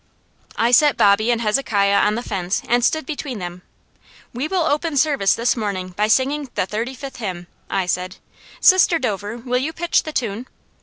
I set Bobby and Hezekiah on the fence and stood between them. "We will open service this morning by singing the thirty fifth hymn," I said. "Sister Dover, will you pitch the tune?"